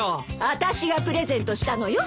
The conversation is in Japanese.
あたしがプレゼントしたのよ。